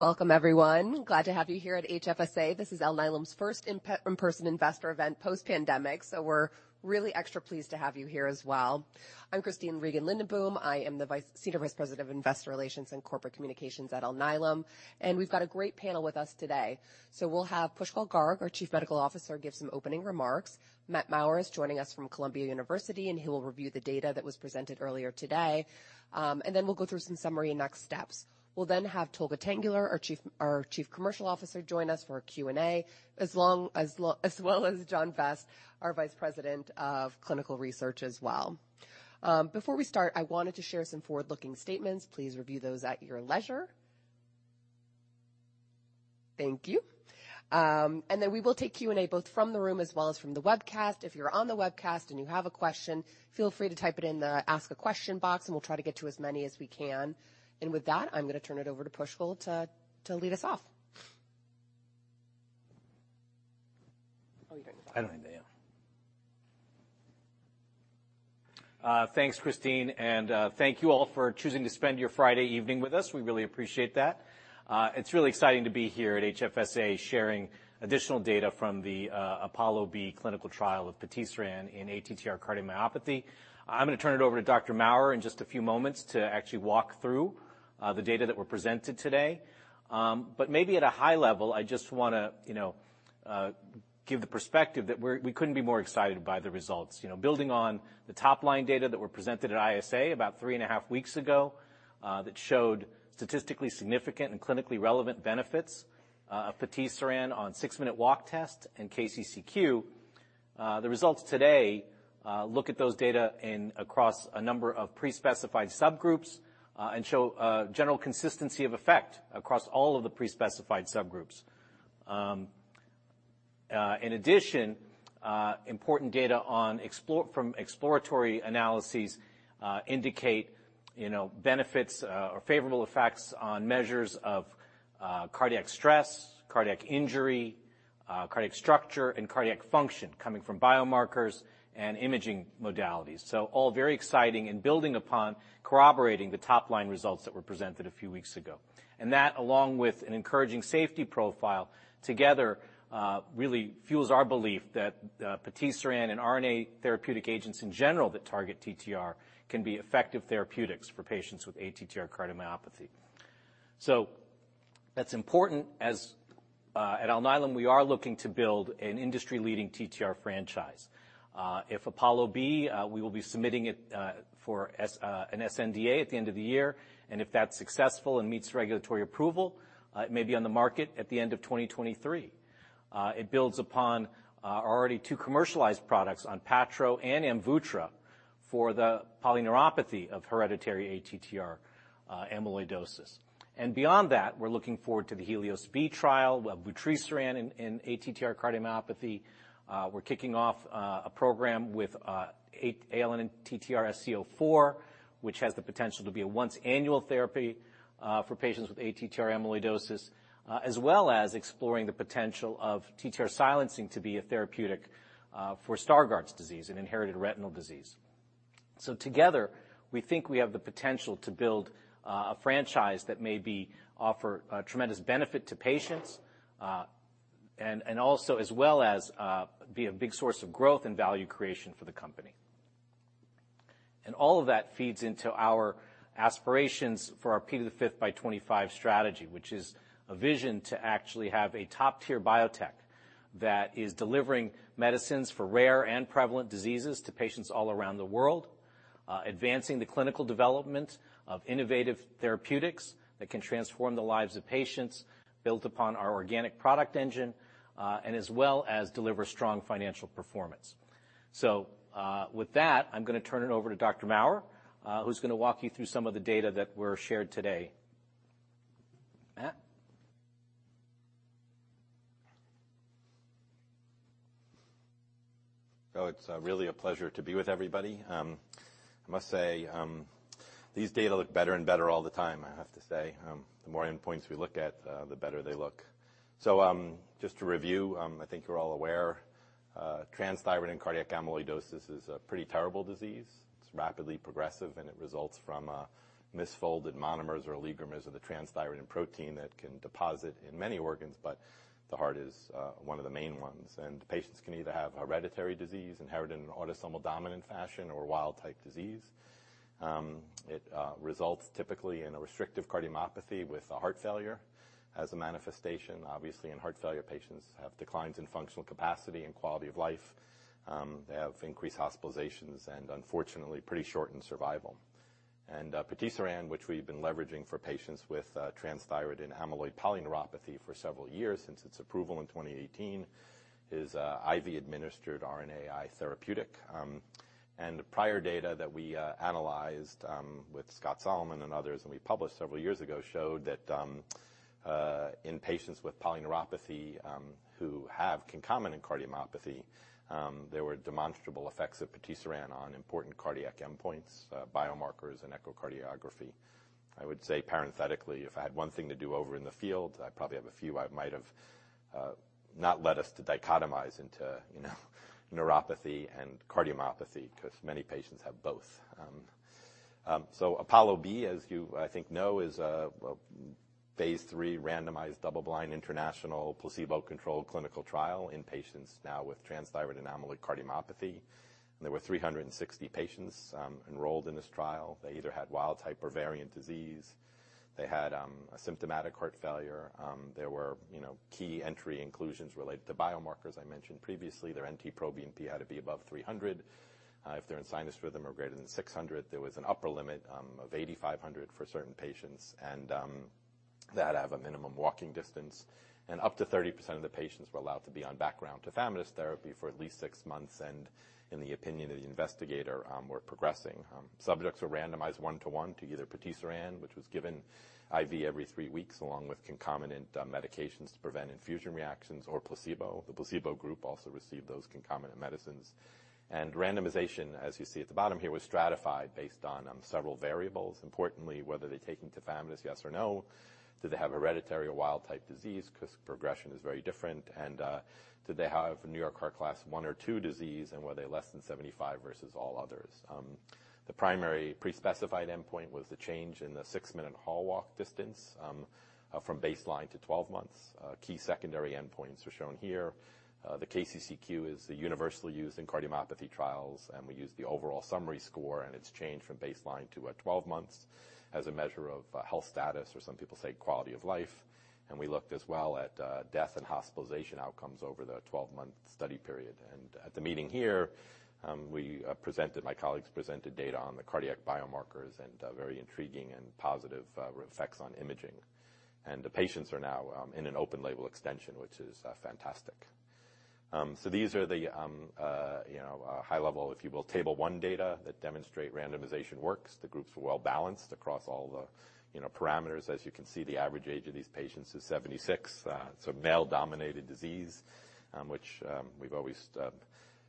Welcome, everyone. Glad to have you here at HFSA. This is Alnylam's first in-person investor event post-pandemic, so we're really extra pleased to have you here as well. I'm Christine Regan Lindenboom. I am the Senior Vice President of Investor Relations and Corporate Communications at Alnylam, and we've got a great panel with us today. So we'll have Pushkal Garg, our Chief Medical Officer, give some opening remarks. Mathew Maurer is joining us from Columbia University, and he will review the data that was presented earlier today, and then we'll go through some summary and next steps. We'll then have Tolga Tanguler, our Chief Commercial Officer, join us for a Q&A, as well as John Vest, our Vice President of Clinical Research as well. Before we start, I wanted to share some forward-looking statements. Please review those at your leisure. Thank you. Then we will take Q&A both from the room as well as from the webcast. If you're on the webcast and you have a question, feel free to type it in the Ask a Question box, and we'll try to get to as many as we can. With that, I'm going to turn it over to Pushkal to lead us off. Oh, you don't need that. I don't need that, yeah. Thanks, Christine, and thank you all for choosing to spend your Friday evening with us. We really appreciate that. It's really exciting to be here at HFSA sharing additional data from the APOLLO-B clinical trial of patisiran in ATTR cardiomyopathy. I'm going to turn it over to Dr. Maurer in just a few moments to actually walk through the data that were presented today. But maybe at a high level, I just want to give the perspective that we couldn't be more excited by the results. Building on the top-line data that were presented at ISA about three and a half weeks ago that showed statistically significant and clinically relevant benefits of patisiran on six-minute walk tests and KCCQ, the results today look at those data across a number of pre-specified subgroups and show general consistency of effect across all of the pre-specified subgroups. In addition, important data from exploratory analyses indicate benefits or favorable effects on measures of cardiac stress, cardiac injury, cardiac structure, and cardiac function coming from biomarkers and imaging modalities. So all very exciting and building upon corroborating the top-line results that were presented a few weeks ago. And that, along with an encouraging safety profile, together really fuels our belief that patisiran and RNA therapeutic agents in general that target TTR can be effective therapeutics for patients with ATTR cardiomyopathy. So that's important, as at Alnylam, we are looking to build an industry-leading TTR franchise. If APOLLO-B, we will be submitting it for an sNDA at the end of the year, and if that's successful and meets regulatory approval, it may be on the market at the end of 2023. It builds upon our already two commercialized products, Onpattro and Amvutra, for the polyneuropathy of hereditary ATTR amyloidosis. And beyond that, we're looking forward to the HELIOS-B trial of vutrisiran in ATTR cardiomyopathy. We're kicking off a program with ALN-TTRSC04, which has the potential to be a once-annual therapy for patients with ATTR amyloidosis, as well as exploring the potential of TTR silencing to be a therapeutic for Stargardt disease, an inherited retinal disease. So together, we think we have the potential to build a franchise that may offer tremendous benefit to patients and also, as well as be a big source of growth and value creation for the company. And all of that feeds into our aspirations for our P to the fifth by 25 strategy, which is a vision to actually have a top-tier biotech that is delivering medicines for rare and prevalent diseases to patients all around the world, advancing the clinical development of innovative therapeutics that can transform the lives of patients built upon our organic product engine, and as well as deliver strong financial performance. So with that, I'm going to turn it over to Dr. Maurer, who's going to walk you through some of the data that were shared today. Matt? Oh, it's really a pleasure to be with everybody. I must say, these data look better and better all the time, I have to say. The more endpoints we look at, the better they look. So just to review, I think you're all aware, transthyretin cardiac amyloidosis is a pretty terrible disease. It's rapidly progressive, and it results from misfolded monomers or oligomers of the transthyretin protein that can deposit in many organs, but the heart is one of the main ones. And patients can either have hereditary disease inherited in an autosomal dominant fashion or wild-type disease. It results typically in a restrictive cardiomyopathy with heart failure as a manifestation. Obviously, in heart failure, patients have declines in functional capacity and quality of life. They have increased hospitalizations and, unfortunately, pretty shortened survival. Patisiran, which we've been leveraging for patients with transthyretin amyloid polyneuropathy for several years since its approval in 2018, is IV-administered RNAi therapeutic. Prior data that we analyzed with Scott Solomon and others, and we published several years ago, showed that in patients with polyneuropathy who have concomitant cardiomyopathy, there were demonstrable effects of patisiran on important cardiac endpoints, biomarkers, and echocardiography. I would say parenthetically, if I had one thing to do over in the field, I probably have a few. I might have not let us to dichotomize into neuropathy and cardiomyopathy because many patients have both. Apollo-B, as you, I think, know, is a phase three randomized double-blind international placebo-controlled clinical trial in patients now with transthyretin amyloid cardiomyopathy. There were 360 patients enrolled in this trial. They either had wild-type or variant disease. They had symptomatic heart failure. There were key entry inclusions related to biomarkers I mentioned previously. Their NT-proBNP had to be above 300. If they're in sinus rhythm or greater than 600, there was an upper limit of 8,500 for certain patients. And they had to have a minimum walking distance. And up to 30% of the patients were allowed to be on background tafamidis therapy for at least six months and, in the opinion of the investigator, were progressing. Subjects were randomized one-to-one to either patisiran, which was given IV every three weeks, along with concomitant medications to prevent infusion reactions, or placebo. The placebo group also received those concomitant medicines. And randomization, as you see at the bottom here, was stratified based on several variables. Importantly, whether they're taken tafamidis, yes or no, did they have hereditary or wild-type disease because progression is very different, and did they have New York Heart Association Class I or II disease, and were they less than 75 versus all others. The primary pre-specified endpoint was the change in the six-minute walk distance from baseline to 12 months. Key secondary endpoints are shown here. The KCCQ is the universally used in cardiomyopathy trials, and we used the overall summary score, and it's changed from baseline to 12 months as a measure of health status or some people say quality of life. And we looked as well at death and hospitalization outcomes over the 12-month study period. And at the meeting here, my colleagues presented data on the cardiac biomarkers and very intriguing and positive effects on imaging. And the patients are now in an open-label extension, which is fantastic. These are the high-level, if you will, table one data that demonstrate randomization works. The groups were well-balanced across all the parameters. As you can see, the average age of these patients is 76. It's a male-dominated disease, which we've always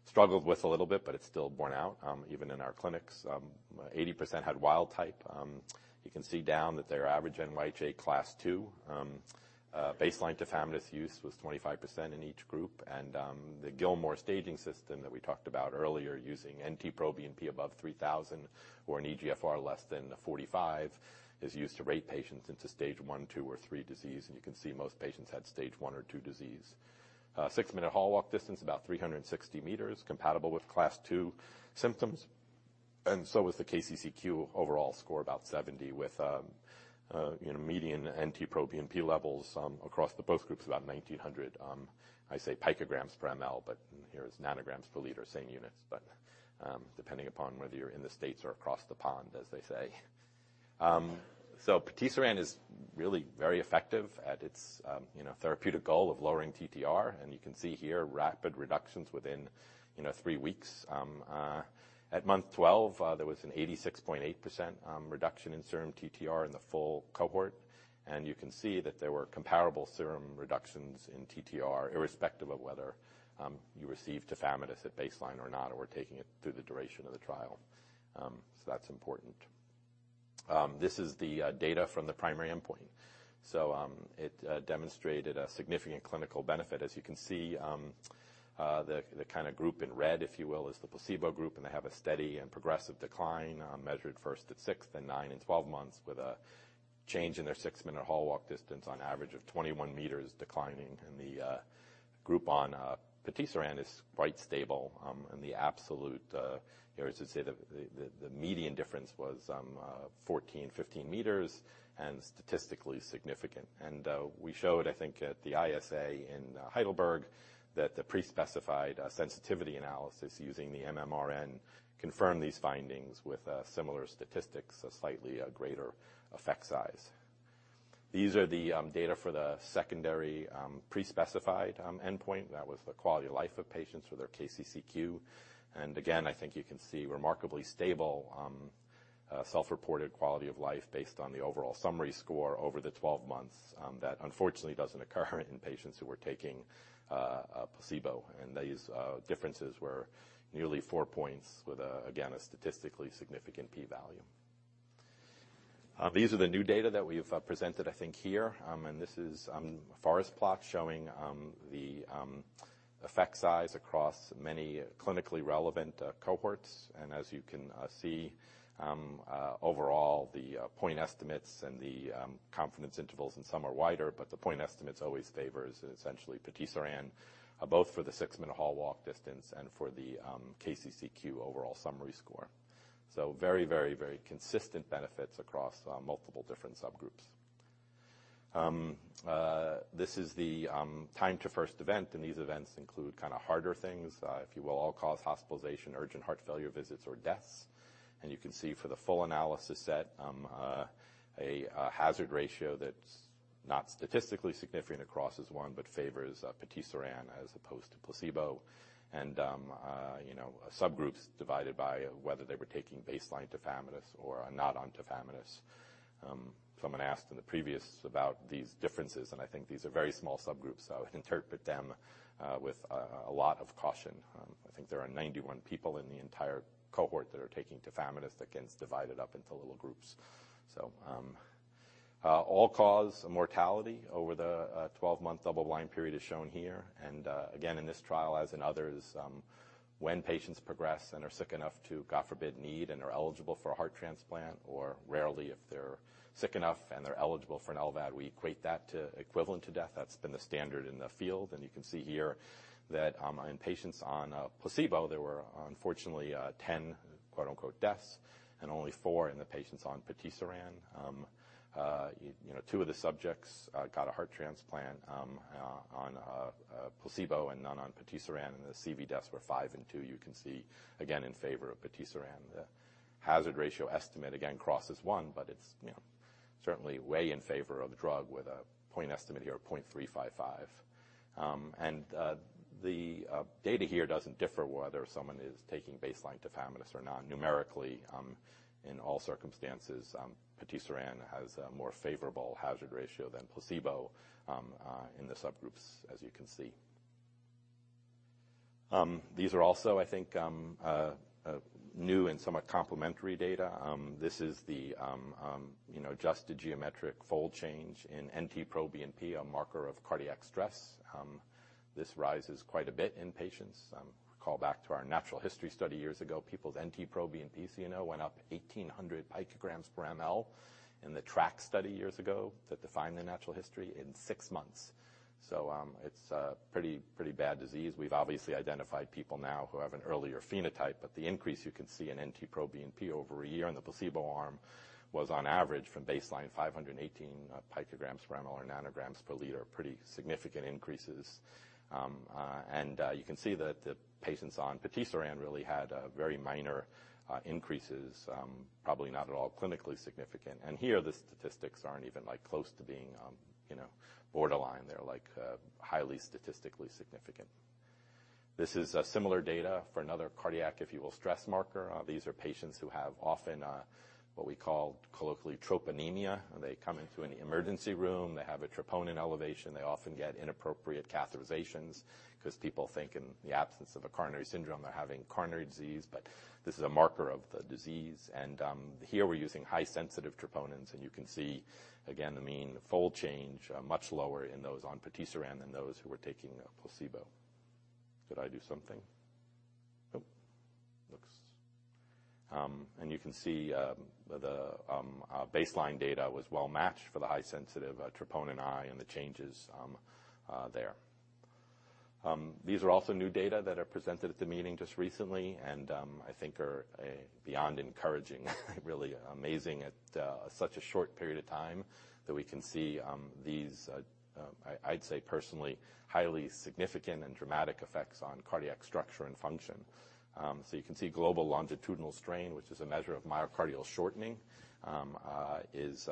struggled with a little bit, but it's still borne out even in our clinics. 80% had wild-type. You can see down that they're average NYHA class II. Baseline tafamidis use was 25% in each group. The Gillmore staging system that we talked about earlier, using NT-proBNP above 3,000 or an eGFR less than 45, is used to rate patients into stage one, two, or three disease. You can see most patients had stage one or two disease. Six-minute walk distance, about 360 meters, compatible with class II symptoms. And so was the KCCQ overall score, about 70, with median NT-proBNP levels across both groups about 1,900. I say picograms per mL, but here it's nanograms per liter, same units, but depending upon whether you're in the States or across the pond, as they say. So patisiran is really very effective at its therapeutic goal of lowering TTR. And you can see here rapid reductions within three weeks. At month 12, there was an 86.8% reduction in serum TTR in the full cohort. And you can see that there were comparable serum reductions in TTR irrespective of whether you received tafamidis at baseline or not or were taking it through the duration of the trial. So that's important. This is the data from the primary endpoint. So it demonstrated a significant clinical benefit. As you can see, the kind of group in red, if you will, is the placebo group, and they have a steady and progressive decline measured first at sixth and nine and twelve months with a change in their six-minute walk distance on average of 21 meters declining. And the group on patisiran is quite stable. And the absolute, or I should say the median difference, was 14, 15 meters and statistically significant. And we showed, I think, at the ISA in Heidelberg that the pre-specified sensitivity analysis using the MMRN confirmed these findings with similar statistics, a slightly greater effect size. These are the data for the secondary pre-specified endpoint. That was the quality of life of patients for their KCCQ. Again, I think you can see remarkably stable self-reported quality of life based on the overall summary score over the 12 months that, unfortunately, doesn't occur in patients who were taking placebo. These differences were nearly four points with, again, a statistically significant p-value. These are the new data that we've presented, I think, here. This is a forest plot showing the effect size across many clinically relevant cohorts. As you can see, overall, the point estimates and the confidence intervals in some are wider, but the point estimates always favor essentially patisiran, both for the 6-minute walk distance and for the KCCQ overall summary score. Very, very, very consistent benefits across multiple different subgroups. This is the time to first event. These events include kind of harder things, if you will, all-cause hospitalization, urgent heart failure visits, or deaths. You can see for the full analysis set, a hazard ratio that's not statistically significant. HR is 1 but favors patisiran as opposed to placebo. Subgroups divided by whether they were taking baseline tafamidis or not on tafamidis. Someone asked in the previous about these differences, and I think these are very small subgroups, so I would interpret them with a lot of caution. I think there are 91 people in the entire cohort that are taking tafamidis that gets divided up into little groups. All-cause mortality over the 12-month double-blind period is shown here. Again, in this trial, as in others, when patients progress and are sick enough to, God forbid, need and are eligible for a heart transplant, or rarely if they're sick enough and they're eligible for an LVAD, we equate that to equivalent to death. That's been the standard in the field. And you can see here that in patients on placebo, there were unfortunately 10 "deaths" and only four in the patients on patisiran. Two of the subjects got a heart transplant on placebo and none on patisiran, and the CV deaths were five and two. You can see, again, in favor of patisiran. The hazard ratio estimate, again, crosses one, but it's certainly way in favor of the drug with a point estimate here of 0.355. And the data here doesn't differ whether someone is taking baseline tafamidis or not. Numerically, in all circumstances, patisiran has a more favorable hazard ratio than placebo in the subgroups, as you can see. These are also, I think, new and somewhat complementary data. This is just the geometric fold change in NT-proBNP, a marker of cardiac stress. This rises quite a bit in patients. Recall back to our natural history study years ago. People's NT-proBNP went up 1,800 picograms per mL in the ATTR-ATTR study years ago that defined the natural history in six months. So it's a pretty bad disease. We've obviously identified people now who have an earlier phenotype, but the increase you can see in NT-proBNP over a year in the placebo arm was, on average, from baseline 518 picograms per mL or nanograms per liter, pretty significant increases, and you can see that the patients on patisiran really had very minor increases, probably not at all clinically significant, and here, the statistics aren't even close to being borderline. They're highly statistically significant. This is similar data for another cardiac, if you will, stress marker. These are patients who have often what we call colloquially troponinemia. They come into an emergency room. They have a troponin elevation. They often get inappropriate catheterizations because people think in the absence of a coronary syndrome they're having coronary disease, but this is a marker of the disease. And here, we're using high-sensitivity troponins. And you can see, again, the mean fold change much lower in those on patisiran than those who were taking placebo. Did I do something? Nope. Looks. And you can see the baseline data was well-matched for the high-sensitivity troponin I and the changes there. These are also new data that are presented at the meeting just recently and I think are beyond encouraging, really amazing at such a short period of time that we can see these, I'd say personally, highly significant and dramatic effects on cardiac structure and function. So you can see global longitudinal strain, which is a measure of myocardial shortening, is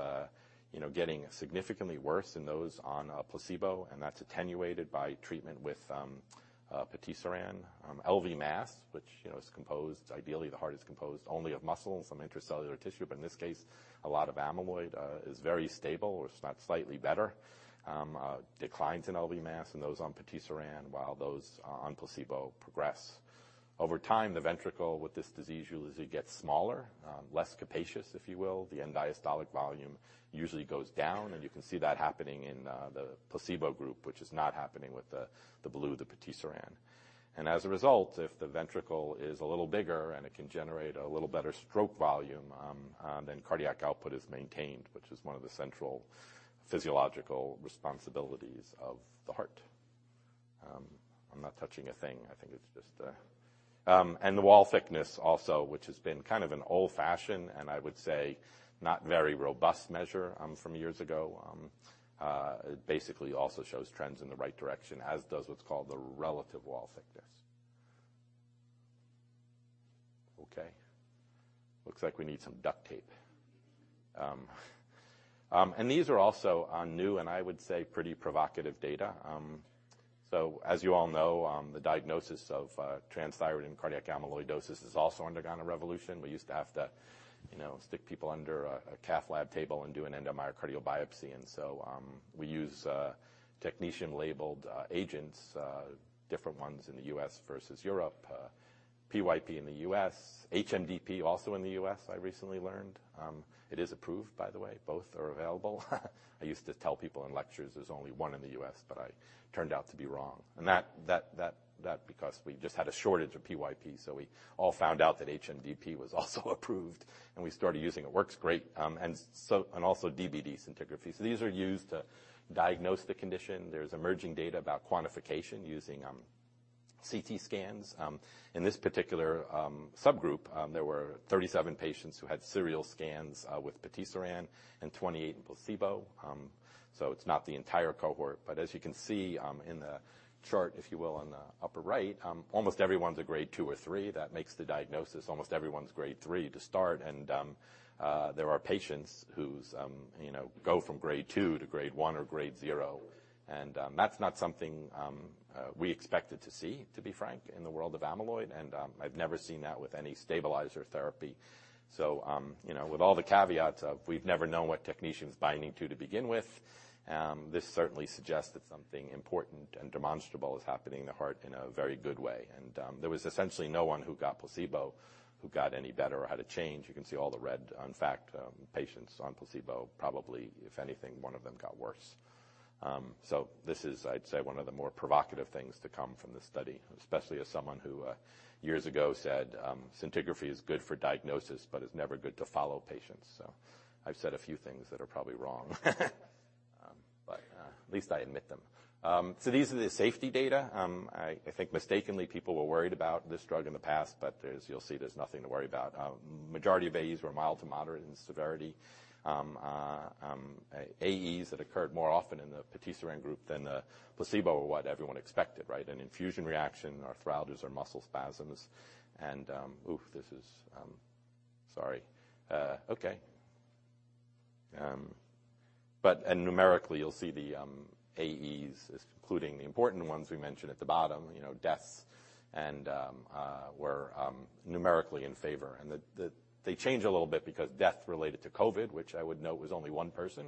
getting significantly worse in those on placebo. That's attenuated by treatment with patisiran. LV mass, which is composed, ideally, the heart is composed only of muscle and some intracellular tissue, but in this case, a lot of amyloid is very stable, or if not slightly better, declines in LV mass in those on patisiran while those on placebo progress. Over time, the ventricle with this disease usually gets smaller, less capacious, if you will. The end-diastolic volume usually goes down. You can see that happening in the placebo group, which is not happening with the blue, the patisiran. As a result, if the ventricle is a little bigger and it can generate a little better stroke volume, then cardiac output is maintained, which is one of the central physiological responsibilities of the heart. I'm not touching a thing. I think it's just the. The wall thickness also, which has been kind of an old-fashioned and I would say not very robust measure from years ago, basically also shows trends in the right direction, as does what's called the relative wall thickness. Okay. Looks like we need some duct tape. These are also new and I would say pretty provocative data. As you all know, the diagnosis of transthyretin cardiac amyloidosis has also undergone a revolution. We used to have to stick people under a cath lab table and do an endomyocardial biopsy. We use technetium-labeled agents, different ones in the U.S. versus Europe, PYP in the U.S., HMDP also in the U.S., I recently learned. It is approved, by the way. Both are available. I used to tell people in lectures there's only one in the U.S., but I turned out to be wrong. That's because we just had a shortage of PYP, so we all found out that HMDP was also approved. And we started using it. It works great. And also DPD scintigraphy. So these are used to diagnose the condition. There's emerging data about quantification using CT scans. In this particular subgroup, there were 37 patients who had serial scans with patisiran and 28 in placebo. So it's not the entire cohort. But as you can see in the chart, if you will, on the upper right, almost everyone's a grade two or three. That makes the diagnosis. Almost everyone's grade three to start. And there are patients who go from grade two to grade one or grade zero. And that's not something we expected to see, to be frank, in the world of amyloid. And I've never seen that with any stabilizer therapy. So with all the caveats of we've never known what technetium's binding to begin with, this certainly suggests that something important and demonstrable is happening in the heart in a very good way. And there was essentially no one who got placebo who got any better or had a change. You can see all the red, in fact, patients on placebo. Probably, if anything, one of them got worse. So this is, I'd say, one of the more provocative things to come from this study, especially as someone who years ago said scintigraphy is good for diagnosis but is never good to follow patients. So I've said a few things that are probably wrong, but at least I admit them. So these are the safety data. I think mistakenly people were worried about this drug in the past, but you'll see there's nothing to worry about. Majority of AEs were mild to moderate in severity. AEs that occurred more often in the patisiran group than the placebo were what everyone expected, right? An infusion reaction, arthralgias, or muscle spasms, and oof, this is sorry. Okay, but numerically, you'll see the AEs, including the important ones we mentioned at the bottom, deaths, were numerically in favor, and they change a little bit because death related to COVID, which I would note was only one person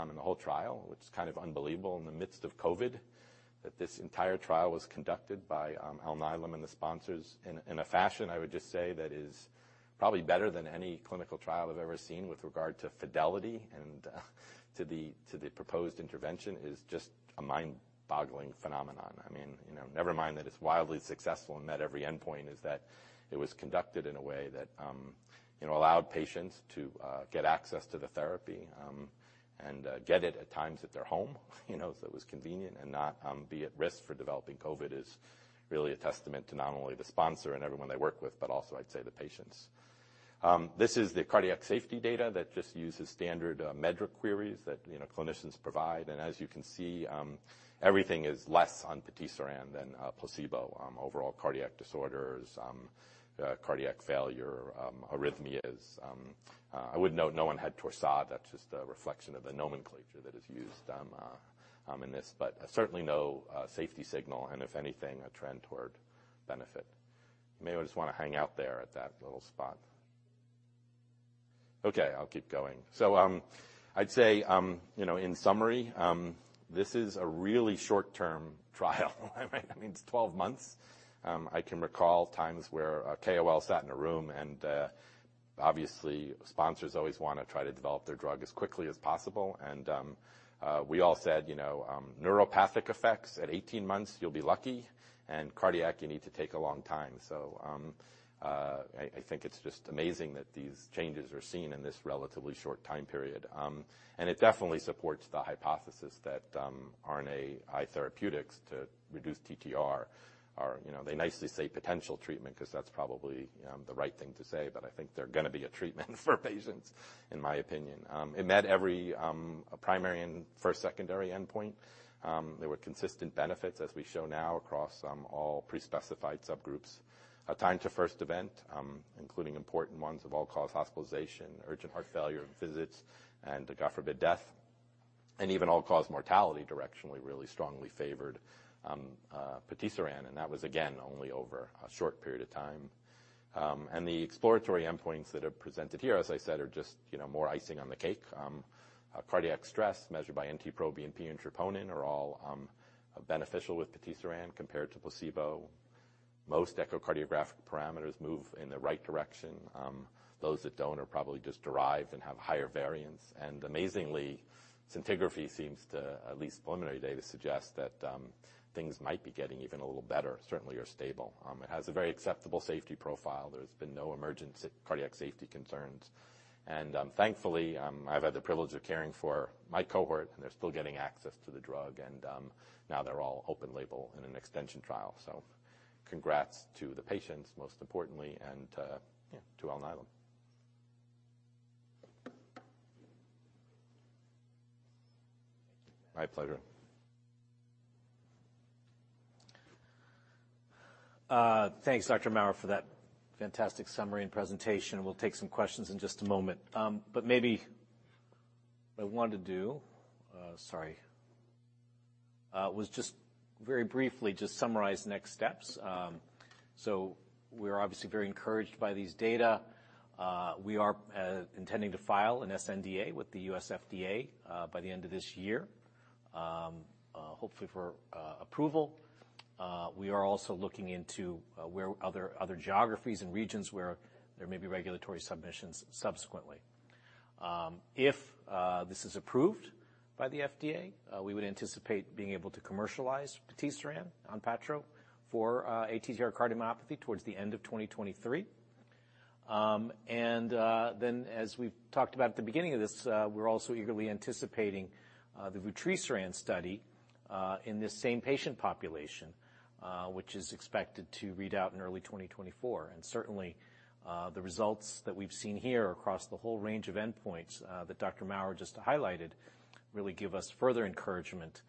in the whole trial, which is kind of unbelievable in the midst of COVID, that this entire trial was conducted by Alnylam and the sponsors in a fashion, I would just say, that is probably better than any clinical trial I've ever seen with regard to fidelity and to the proposed intervention is just a mind-boggling phenomenon. I mean, never mind that it's wildly successful and met every endpoint. [What matters] is that it was conducted in a way that allowed patients to get access to the therapy and get it at times at their home, so it was convenient and not be at risk for developing COVID. [That] is really a testament to not only the sponsor and everyone they work with, but also, I'd say, the patients. This is the cardiac safety data that just uses standard MedDRA queries that clinicians provide. And as you can see, everything is less on patisiran than placebo. Overall cardiac disorders, cardiac failure, arrhythmias. I would note no one had Torsades. That's just a reflection of the nomenclature that is used in this, but certainly no safety signal and, if anything, a trend toward benefit. You may just want to hang out there at that little spot. Okay. I'll keep going. I'd say, in summary, this is a really short-term trial. I mean, it's 12 months. I can recall times where KOL sat in a room, and obviously, sponsors always want to try to develop their drug as quickly as possible. And we all said neuropathic effects at 18 months, you'll be lucky, and cardiac, you need to take a long time, so I think it's just amazing that these changes are seen in this relatively short time period. And it definitely supports the hypothesis that RNAi therapeutics to reduce TTR, they nicely say potential treatment because that's probably the right thing to say, but I think they're going to be a treatment for patients, in my opinion. It met every primary and first secondary endpoint. There were consistent benefits, as we show now, across all pre-specified subgroups. Time to first event, including important ones of all-cause hospitalization, urgent heart failure visits, and God forbid, death, and even all-cause mortality directionally really strongly favored patisiran. And that was, again, only over a short period of time. And the exploratory endpoints that are presented here, as I said, are just more icing on the cake. Cardiac stress measured by NT-proBNP and troponin are all beneficial with patisiran compared to placebo. Most echocardiographic parameters move in the right direction. Those that don't are probably just derived and have higher variance. And amazingly, scintigraphy seems to, at least preliminary data, suggest that things might be getting even a little better, certainly are stable. It has a very acceptable safety profile. There's been no emergent cardiac safety concerns. And thankfully, I've had the privilege of caring for my cohort, and they're still getting access to the drug. And now they're all open label in an extension trial. So congrats to the patients, most importantly, and to Alnylam. My pleasure. Thanks, Dr. Maurer, for that fantastic summary and presentation. We'll take some questions in just a moment. But maybe what I wanted to do, sorry, was just very briefly just summarize next steps. So we are obviously very encouraged by these data. We are intending to file an sNDA with the U.S. FDA by the end of this year, hopefully for approval. We are also looking into other geographies and regions where there may be regulatory submissions subsequently. If this is approved by the FDA, we would anticipate being able to commercialize patisiran, Onpattro, for ATTR cardiomyopathy towards the end of 2023. And then, as we've talked about at the beginning of this, we're also eagerly anticipating the vutrisiran study in this same patient population, which is expected to read out in early 2024. And certainly, the results that we've seen here across the whole range of endpoints that Dr. Maurer just highlighted really give us further encouragement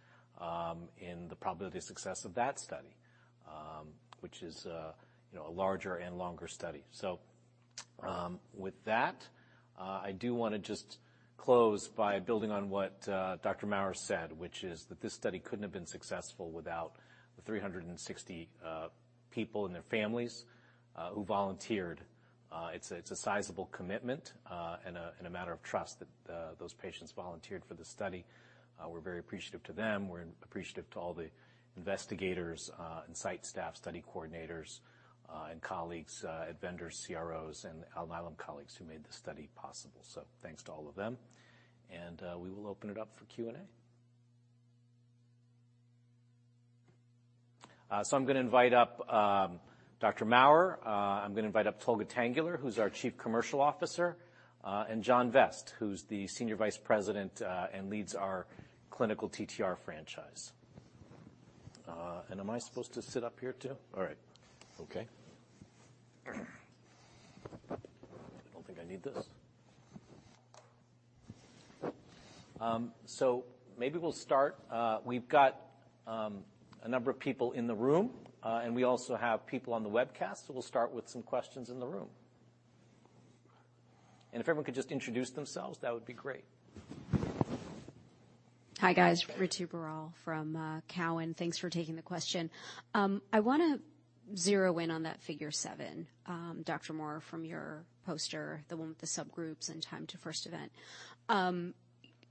in the probability of success of that study, which is a larger and longer study. So with that, I do want to just close by building on what Dr. Maurer said, which is that this study couldn't have been successful without the 360 people and their families who volunteered. It's a sizable commitment and a matter of trust that those patients volunteered for the study. We're very appreciative to them. We're appreciative to all the investigators, site staff, study coordinators, and colleagues at vendors, CROs, and Alnylam colleagues who made this study possible. Thanks to all of them. We will open it up for Q&A. I'm going to invite up Dr. Maurer. I'm going to invite up Tolga Tanguler, who's our Chief Commercial Officer, and John Vest, who's the Senior Vice President and leads our clinical TTR franchise. Am I supposed to sit up here too? All right. Okay. I don't think I need this. Maybe we'll start. We've got a number of people in the room, and we also have people on the webcast. We'll start with some questions in the room. If everyone could just introduce themselves, that would be great. Hi, guys. Ritu Baral from Cowen. Thanks for taking the question. I want to zero in on that figure seven, Dr. Maurer, from your poster, the one with the subgroups and time to first event.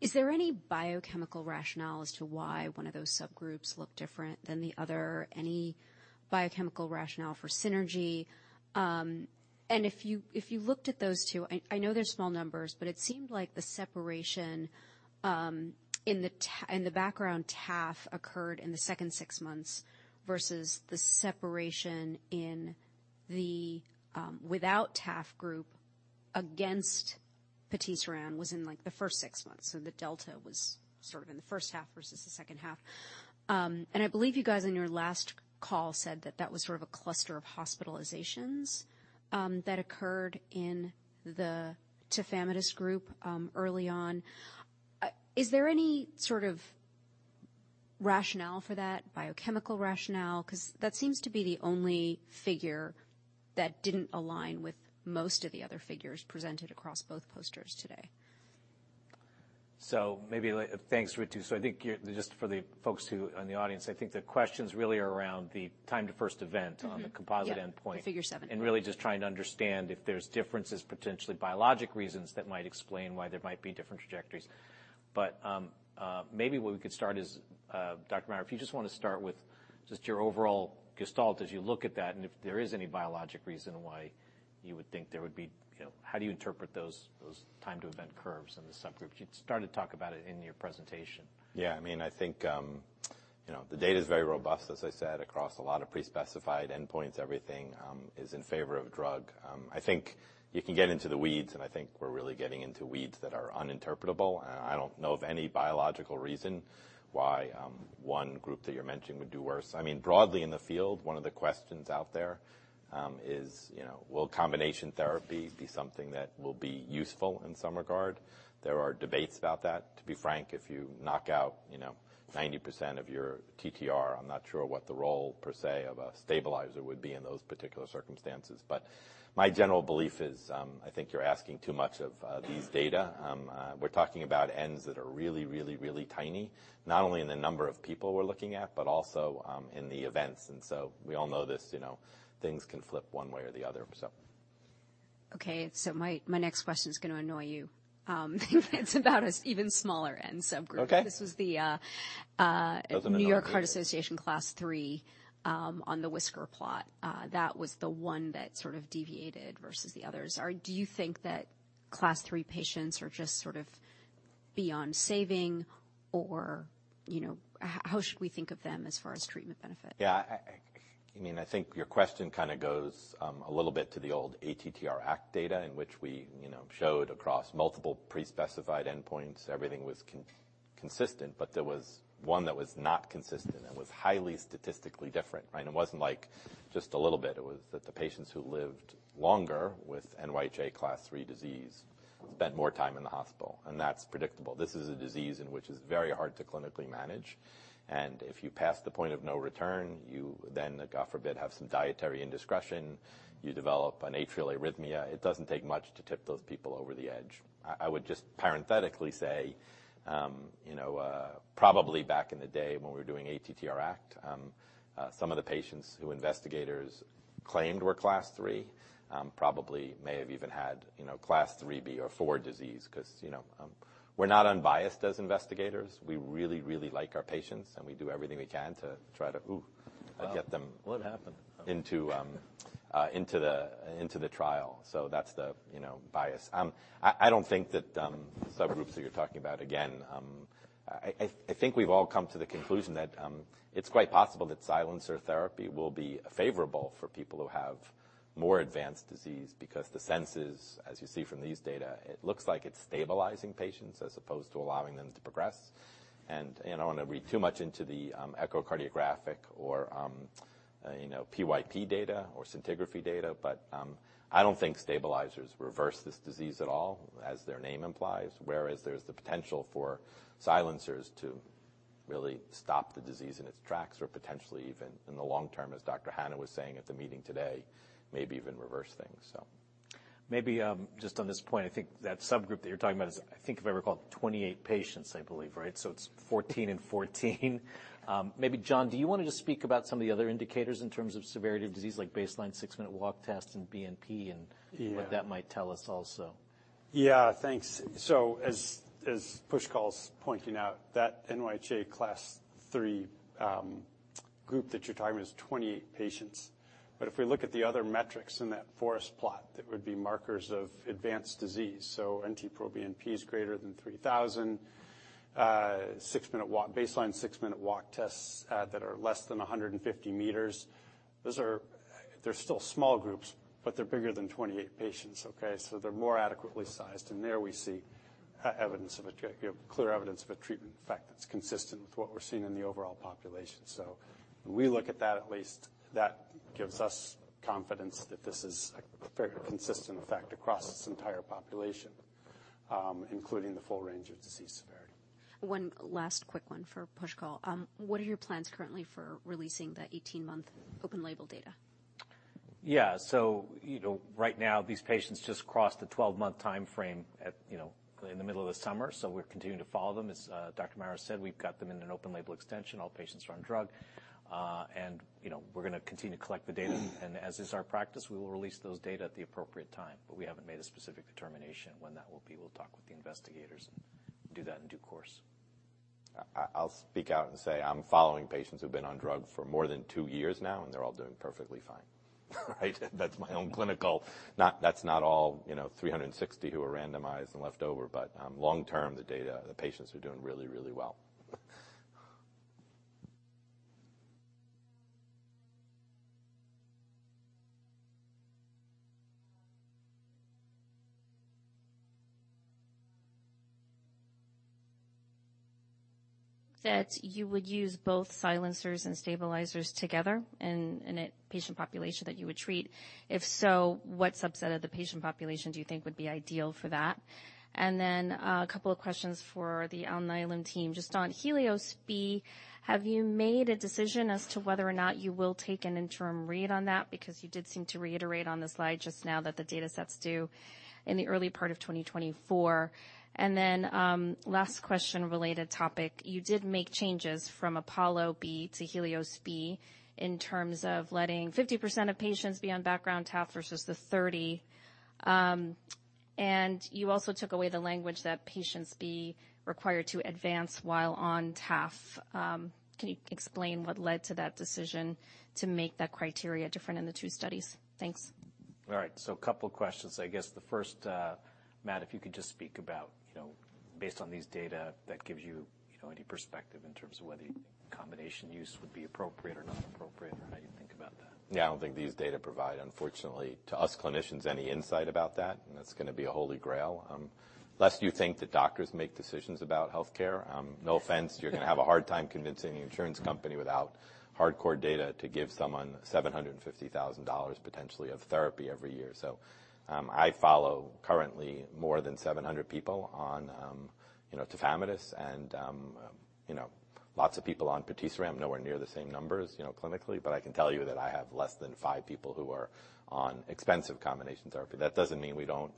Is there any biochemical rationale as to why one of those subgroups looked different than the other? Any biochemical rationale for synergy? And if you looked at those two, I know they're small numbers, but it seemed like the separation in the background TAF occurred in the second six months versus the separation in the without TAF group against patisiran was in the first six months. So the delta was sort of in the first half versus the second half. And I believe you guys in your last call said that that was sort of a cluster of hospitalizations that occurred in the tafamidis group early on. Is there any sort of rationale for that, biochemical rationale? Because that seems to be the only figure that didn't align with most of the other figures presented across both posters today. So maybe thanks, Ritu. So, I think just for the folks who are in the audience, I think the questions really are around the time to first event on the composite endpoint. The Figure 7. And really just trying to understand if there's differences, potentially biologic reasons that might explain why there might be different trajectories. But maybe what we could start is, Dr. Maurer, if you just want to start with just your overall gestalt as you look at that and if there is any biologic reason why you would think there would be. How do you interpret those time to event curves in the subgroups? You started to talk about it in your presentation. Yeah. I mean, I think the data is very robust, as I said, across a lot of pre-specified endpoints. Everything is in favor of drug. I think you can get into the weeds, and I think we're really getting into weeds that are uninterpretable, and I don't know of any biological reason why one group that you're mentioning would do worse. I mean, broadly in the field, one of the questions out there is, will combination therapy be something that will be useful in some regard? There are debates about that. To be frank, if you knock out 90% of your TTR, I'm not sure what the role per se of a stabilizer would be in those particular circumstances. But my general belief is I think you're asking too much of these data. We're talking about n's that are really, really, really tiny, not only in the number of people we're looking at, but also in the events. And so we all know this. Things can flip one way or the other, so. Okay. So my next question is going to annoy you. It's about an even smaller end subgroup. This was the New York Heart Association Class III on the Whisker plot. That was the one that sort of deviated versus the others. Do you think that Class III patients are just sort of beyond saving, or how should we think of them as far as treatment benefit? Yeah. I mean, I think your question kind of goes a little bit to the old ATTR-ACT data in which we showed across multiple pre-specified endpoints everything was consistent, but there was one that was not consistent and was highly statistically different, right? And it wasn't just a little bit. It was that the patients who lived longer with NYHA Class III disease spent more time in the hospital. And that's predictable. This is a disease in which it's very hard to clinically manage. And if you pass the point of no return, you then, God forbid, have some dietary indiscretion. You develop an atrial arrhythmia. It doesn't take much to tip those people over the edge. I would just parenthetically say, probably back in the day when we were doing ATTR-ACT, some of the patients who investigators claimed were Class III probably may have even had Class IIIB or IV disease because we're not unbiased as investigators. We really, really like our patients, and we do everything we can to try to get them into the trial. So that's the bias. I don't think that subgroups that you're talking about, again, I think we've all come to the conclusion that it's quite possible that silencer therapy will be favorable for people who have more advanced disease because the siRNAs, as you see from these data, it looks like it's stabilizing patients as opposed to allowing them to progress. And I don't want to read too much into the echocardiographic or PYP data or scintigraphy data, but I don't think stabilizers reverse this disease at all, as their name implies, whereas there's the potential for silencers to really stop the disease in its tracks or potentially even, in the long term, as Dr. Hanna was saying at the meeting today, maybe even reverse things, so. Maybe just on this point, I think that subgroup that you're talking about is, I think if I recall, 28 patients, I believe, right? It's 14 and 14. Maybe, John, do you want to just speak about some of the other indicators in terms of severity of disease, like baseline six-minute walk test and BNP and what that might tell us also? Yeah. Thanks. As Pushkal's pointing out, that NYHA Class III group that you're talking about is 28 patients. If we look at the other metrics in that forest plot that would be markers of advanced disease, so NT-proBNP is greater than 3,000, baseline six-minute walk tests that are less than 150 meters, those are still small groups, but they're bigger than 28 patients, okay? They're more adequately sized. There we see clear evidence of a treatment effect that's consistent with what we're seeing in the overall population. So when we look at that, at least, that gives us confidence that this is a fairly consistent effect across this entire population, including the full range of disease severity. One last quick one for Pushkal. What are your plans currently for releasing the 18-month open label data? Yeah. So right now, these patients just crossed the 12-month time frame in the middle of the summer. So we're continuing to follow them. As Dr. Maurer said, we've got them in an open label extension. All patients are on drug. And we're going to continue to collect the data. And as is our practice, we will release those data at the appropriate time. But we haven't made a specific determination when that will be. We'll talk with the investigators and do that in due course. I'll speak out and say I'm following patients who've been on drug for more than two years now, and they're all doing perfectly fine, right? That's my own clinical. That's not all 360 who are randomized and left over. But long term, the patients are doing really, really well. That you would use both silencers and stabilizers together in a patient population that you would treat. If so, what subset of the patient population do you think would be ideal for that? And then a couple of questions for the Alnylam team. Just on HELIOS-B, have you made a decision as to whether or not you will take an interim read on that? Because you did seem to reiterate on the slide just now that the data sets due in the early part of 2024. And then last question related topic. You did make changes from APOLLO-B to HELIOS-B in terms of letting 50% of patients be on background TAF versus the 30%. And you also took away the language that patients be required to advance while on TAF. Can you explain what led to that decision to make that criteria different in the two studies? Thanks. All right. So a couple of questions. I guess the first, Matt, if you could just speak about, based on these data, that gives you any perspective in terms of whether you think combination use would be appropriate or not appropriate or how you think about that. Yeah. I don't think these data provide, unfortunately, to us clinicians, any insight about that. And that's going to be a holy grail, lest you think that doctors make decisions about healthcare. No offense, you're going to have a hard time convincing the insurance company without hardcore data to give someone $750,000 potentially of therapy every year. So I follow currently more than 700 people on tafamidis and lots of people on patisiran. I'm nowhere near the same numbers clinically, but I can tell you that I have less than five people who are on expensive combination therapy. That doesn't mean we don't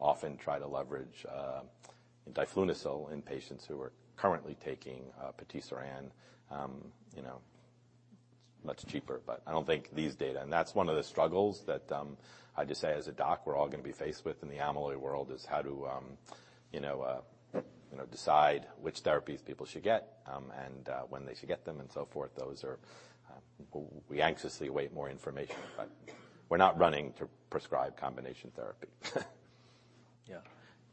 often try to leverage diflunisal in patients who are currently taking patisiran. It's much cheaper. But I don't think these data, and that's one of the struggles that I just say as a doc we're all going to be faced with in the amyloid world is how to decide which therapies people should get and when they should get them and so forth. We anxiously await more information, but we're not running to prescribe combination therapy. Yeah.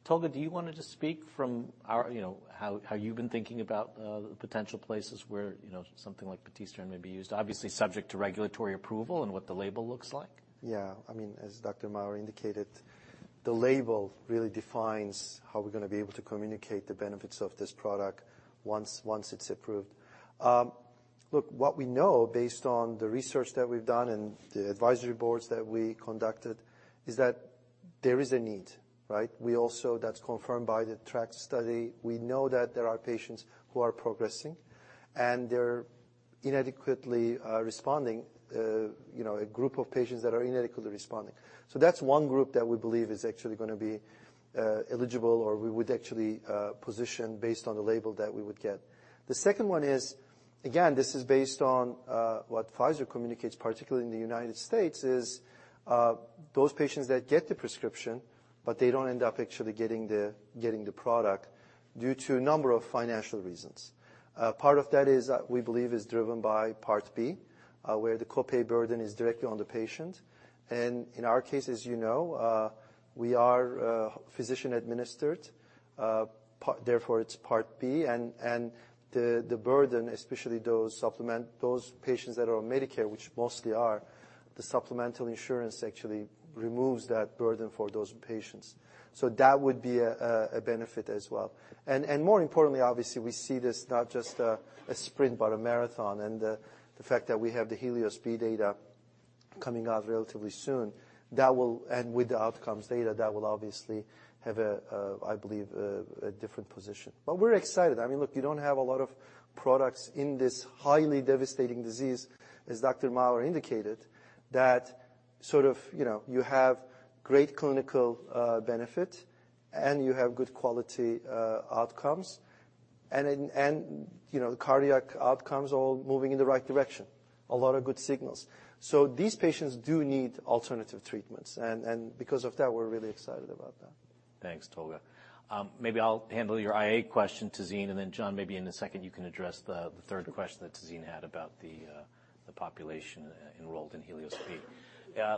Tolga, do you want to just speak from how you've been thinking about the potential places where something like patisiran may be used? Obviously, subject to regulatory approval and what the label looks like. Yeah. I mean, as Dr. Maurer indicated, the label really defines how we're going to be able to communicate the benefits of this product once it's approved. Look, what we know based on the research that we've done and the advisory boards that we conducted is that there is a need, right? That's confirmed by the ATTR-ACT study. We know that there are patients who are progressing, and they're inadequately responding, a group of patients that are inadequately responding. So that's one group that we believe is actually going to be eligible or we would actually position based on the label that we would get. The second one is, again, this is based on what Pfizer communicates, particularly in the United States: those patients that get the prescription, but they don't end up actually getting the product due to a number of financial reasons. Part of that, we believe, is driven by Part B, where the copay burden is directly on the patient. And in our case, as you know, we are physician-administered. Therefore, it's Part B. And the burden, especially those patients that are on Medicare, which mostly are, the supplemental insurance actually removes that burden for those patients. So that would be a benefit as well. And more importantly, obviously, we see this not just a sprint, but a marathon. And the fact that we have the HELIOS-B data coming out relatively soon, and with the outcomes data, that will obviously have, I believe, a different position. But we're excited. I mean, look, you don't have a lot of products in this highly devastating disease. As Dr. Maurer indicated, that sort of you have great clinical benefit, and you have good quality outcomes, and cardiac outcomes all moving in the right direction. A lot of good signals. So these patients do need alternative treatments. And because of that, we're really excited about that. Thanks, Tolga. Maybe I'll handle your IA question, Tazeen. And then, John, maybe in a second, you can address the third question that Tazeen had about the population enrolled in HELIOS-B.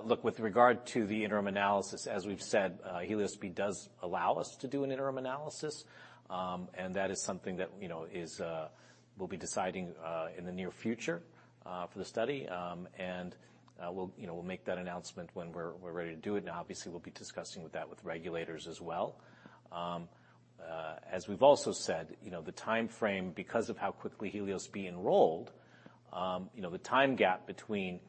Look, with regard to the interim analysis, as we've said, HELIOS-B does allow us to do an interim analysis. And that is something that we'll be deciding in the near future for the study. And we'll make that announcement when we're ready to do it. And obviously, we'll be discussing that with regulators as well. As we've also said, the time frame, because of how quickly HELIOS-B enrolled, the time gap between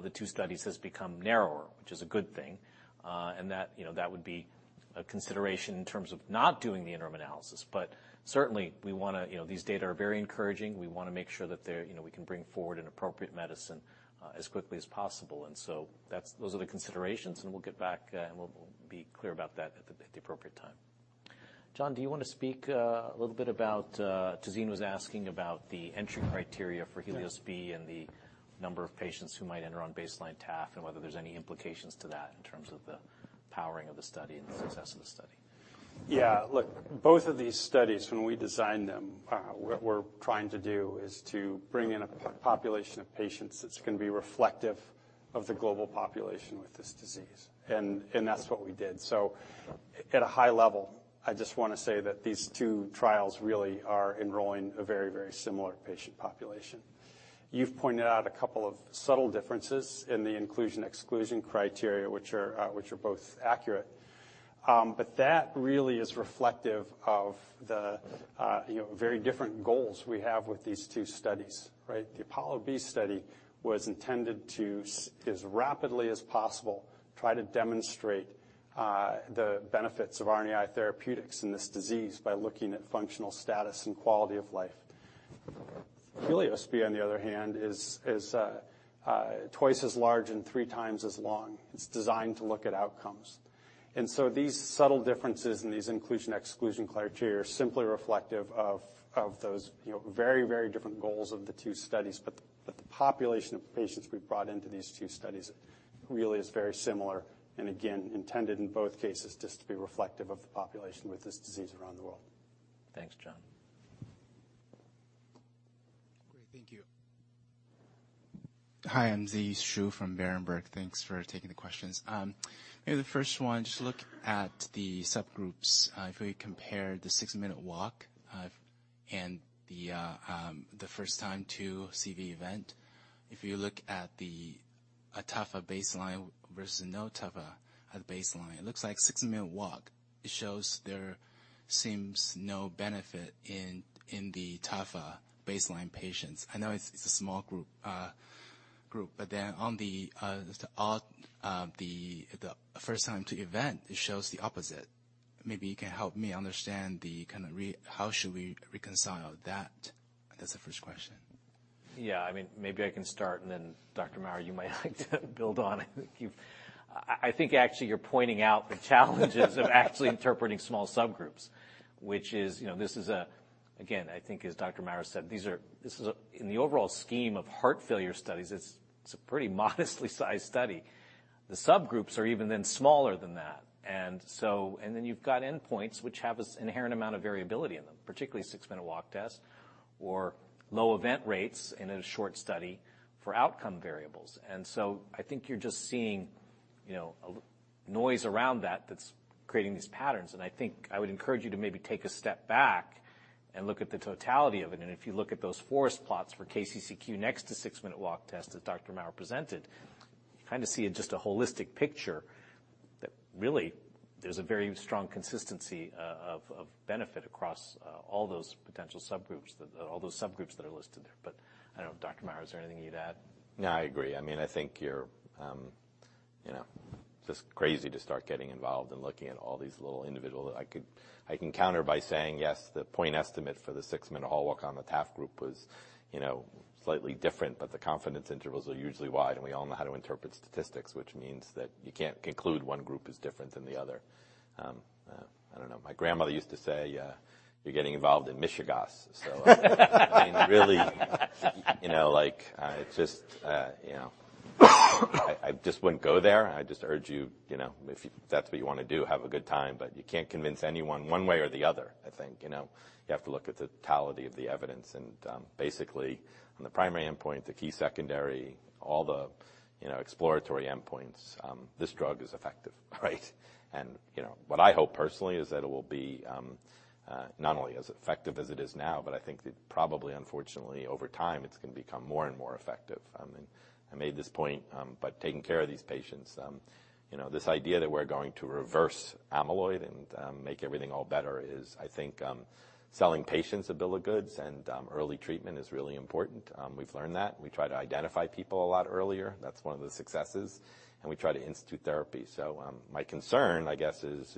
the two studies has become narrower, which is a good thing. That would be a consideration in terms of not doing the interim analysis. But certainly, we want to. These data are very encouraging. We want to make sure that we can bring forward an appropriate medicine as quickly as possible. So those are the considerations. We'll get back, and we'll be clear about that at the appropriate time. John, do you want to speak a little bit about? Tazeen was asking about the entry criteria for HELIOS-B and the number of patients who might enter on baseline TAF and whether there's any implications to that in terms of the powering of the study and the success of the study? Yeah. Look, both of these studies, when we designed them, what we're trying to do is to bring in a population of patients that's going to be reflective of the global population with this disease. And that's what we did. So at a high level, I just want to say that these two trials really are enrolling a very, very similar patient population. You've pointed out a couple of subtle differences in the inclusion-exclusion criteria, which are both accurate. But that really is reflective of the very different goals we have with these two studies, right? The APOLLO-B study was intended to, as rapidly as possible, try to demonstrate the benefits of RNAi therapeutics in this disease by looking at functional status and quality of life. HELIOS-B, on the other hand, is twice as large and three times as long. It's designed to look at outcomes. And so these subtle differences in these inclusion-exclusion criteria are simply reflective of those very, very different goals of the two studies. But the population of patients we brought into these two studies really is very similar and, again, intended in both cases just to be reflective of the population with this disease around the world. Thanks, John. Great. Thank you. Hi. I'm Z. Shu from Berenberg. Thanks for taking the questions. The first one, just look at the subgroups. If we compare the six-minute walk and the first time to CV event, if you look at the TAF at baseline versus no TAF at baseline, it looks like six-minute walk. It shows there seems no benefit in the TAF baseline patients. I know it's a small group. But then on the first time to event, it shows the opposite. Maybe you can help me understand the kind of how should we reconcile that? That's the first question. Yeah. I mean, maybe I can start, and then Dr. Maurer, you might like to build on it. I think actually you're pointing out the challenges of actually interpreting small subgroups, which is this is a, again, I think, as Dr. Maurer said, in the overall scheme of heart failure studies, it's a pretty modestly sized study. The subgroups are even then smaller than that. And then you've got endpoints which have this inherent amount of variability in them, particularly six-minute walk test or low event rates in a short study for outcome variables. And so I think you're just seeing noise around that that's creating these patterns. And I think I would encourage you to maybe take a step back and look at the totality of it. If you look at those forest plots for KCCQ next to six-minute walk test as Dr. Maurer presented, you kind of see just a holistic picture that really there's a very strong consistency of benefit across all those potential subgroups, all those subgroups that are listed there. But I don't know, Dr. Maurer, is there anything you'd add? No, I agree. I mean, I think you're just crazy to start getting involved and looking at all these little individuals that I can counter by saying, yes, the point estimate for the six-minute walk on the TAF group was slightly different, but the confidence intervals are usually wide. And we all know how to interpret statistics, which means that you can't conclude one group is different than the other. I don't know. My grandmother used to say, "You're getting involved in mishigas." So I mean, really, it's just I just wouldn't go there. I just urge you, if that's what you want to do, have a good time. But you can't convince anyone one way or the other, I think. You have to look at the totality of the evidence. And basically, on the primary endpoint, the key secondary, all the exploratory endpoints, this drug is effective, right? And what I hope personally is that it will be not only as effective as it is now, but I think that probably, unfortunately, over time, it's going to become more and more effective. I made this point, but taking care of these patients, this idea that we're going to reverse amyloid and make everything all better is, I think, selling patients a bill of goods, and early treatment is really important. We've learned that. We try to identify people a lot earlier. That's one of the successes. And we try to institute therapy. So my concern, I guess, is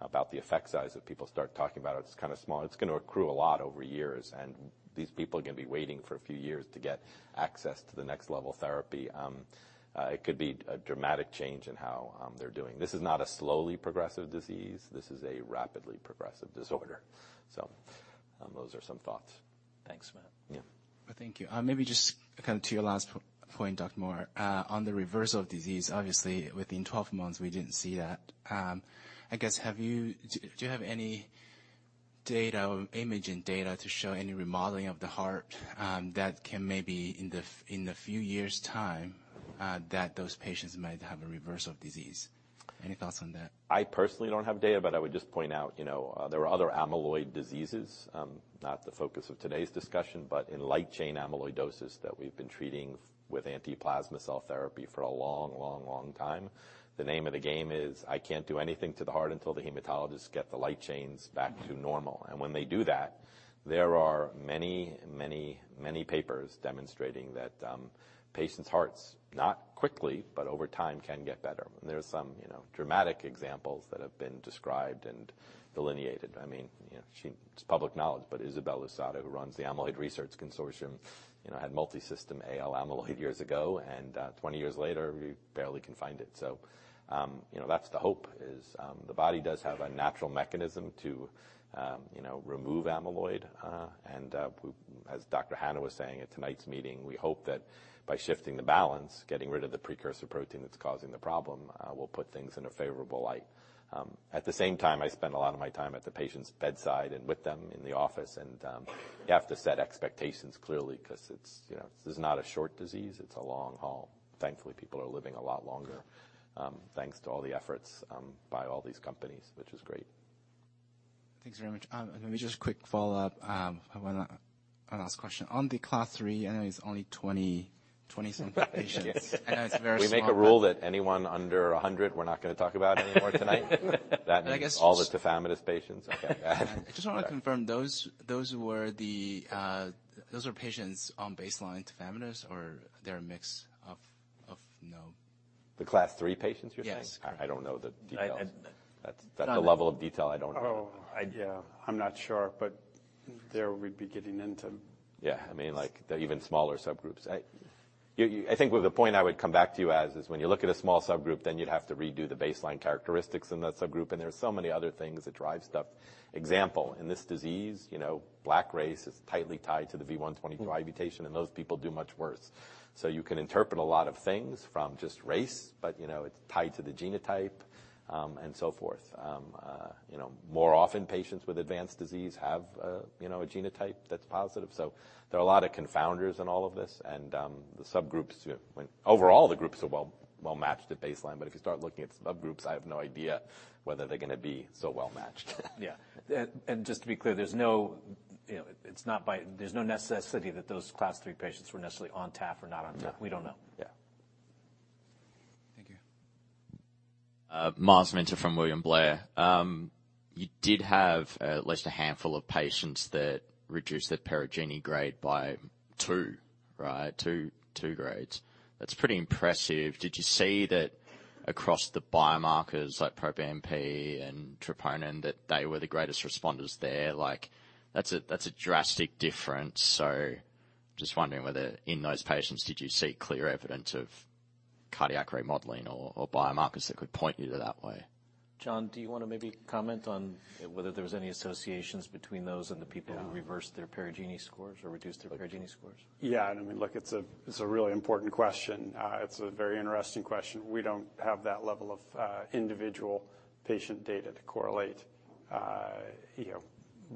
about the effect size that people start talking about. It's kind of small. It's going to accrue a lot over years. And these people are going to be waiting for a few years to get access to the next level therapy. It could be a dramatic change in how they're doing. This is not a slowly progressive disease. This is a rapidly progressive disorder. So those are some thoughts. Thanks, Matt. Yeah. Well, thank you. Maybe just kind of to your last point, Dr. Maurer, on the reversal of disease, obviously, within 12 months, we didn't see that. I guess, do you have any data or imaging data to show any remodeling of the heart that can maybe in a few years' time that those patients might have a reversal of disease? Any thoughts on that? I personally don't have data, but I would just point out there are other amyloid diseases, not the focus of today's discussion, but in light chain amyloidosis that we've been treating with anti-plasma cell therapy for a long, long, long time. The name of the game is I can't do anything to the heart until the hematologists get the light chains back to normal. And when they do that, there are many, many, many papers demonstrating that patients' hearts, not quickly, but over time, can get better. And there are some dramatic examples that have been described and delineated. I mean, it's public knowledge, but Isabelle Lousada, who runs the Amyloid Research Consortium, had multisystem AL amyloid years ago, and 20 years later, we barely can find it. So that's the hope is the body does have a natural mechanism to remove amyloid, and as Dr. Hanna was saying at tonight's meeting, we hope that by shifting the balance, getting rid of the precursor protein that's causing the problem, we'll put things in a favorable light. At the same time, I spend a lot of my time at the patient's bedside and with them in the office, and you have to set expectations clearly because this is not a short disease. It's a long haul. Thankfully, people are living a lot longer thanks to all the efforts by all these companies, which is great. Thanks very much. And maybe just a quick follow-up. I want to ask a question. On the class three, I know it's only 20-something patients. I know it's very small. We make a rule that anyone under 100, we're not going to talk about anymore tonight. That means all the tafamidis patients. Okay. I just want to confirm those were patients on baseline tafamidis, or they're a mix of no? The class three patients, you're saying? Yes. I don't know the details. That's the level of detail I don't know. Oh, yeah. I'm not sure, but there we'd be getting into. Yeah. I mean, even smaller subgroups. I think the point I would come back to you as is when you look at a small subgroup, then you'd have to redo the baseline characteristics in that subgroup. And there's so many other things that drive stuff. Example, in this disease, black race is tightly tied to the V122 mutation. And those people do much worse. You can interpret a lot of things from just race, but it's tied to the genotype and so forth. More often, patients with advanced disease have a genotype that's positive. So there are a lot of confounders in all of this. Overall, the groups are well-matched at baseline. But if you start looking at subgroups, I have no idea whether they're going to be so well-matched. Yeah. And just to be clear, there's no necessity that those class three patients were necessarily on TAF or not on TAF. We don't know. Yeah. Thank you. Myles Minter from William Blair. You did have at least a handful of patients that reduced their Perugini grade by two, right? Two grades. That's pretty impressive. Did you see that across the biomarkers like NT-proBNP and troponin, that they were the greatest responders there? That's a drastic difference. So, just wondering whether in those patients, did you see clear evidence of cardiac remodeling or biomarkers that could point you that way? John, do you want to maybe comment on whether there were any associations between those and the people who reversed their Perugini scores or reduced their Perugini scores? Yeah. And I mean, look, it's a really important question. It's a very interesting question. We don't have that level of individual patient data to correlate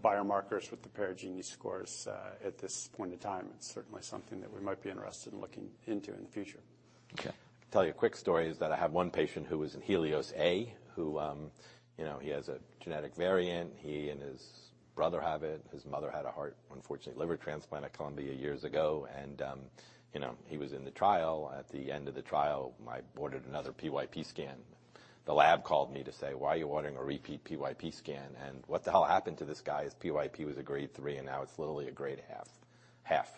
biomarkers with the Perugini scores at this point in time. It's certainly something that we might be interested in looking into in the future. Okay. I'll tell you a quick story is that I have one patient who was in HELIOS-A, who he has a genetic variant. He and his brother have it. His mother had a heart, unfortunately, liver transplant at Columbia years ago. And he was in the trial. At the end of the trial, I ordered another PYP scan. The lab called me to say, "Why are you ordering a repeat PYP scan?", and what the hell happened to this guy is PYP was a grade three, and now it's literally a grade half.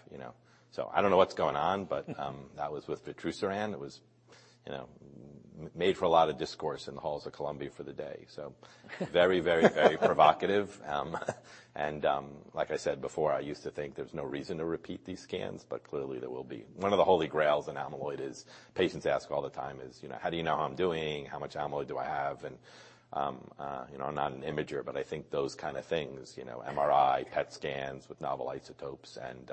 So I don't know what's going on, but that was with vutrisiran. It was made for a lot of discourse in the halls of Columbia for the day, so very, very, very provocative. And like I said before, I used to think there's no reason to repeat these scans, but clearly, there will be. One of the holy grails in amyloid is patients ask all the time, "How do you know how I'm doing? How much amyloid do I have?" And I'm not an imager, but I think those kind of things, MRI, PET scans with novel isotopes, and